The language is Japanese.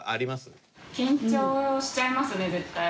緊張しちゃいますね絶対。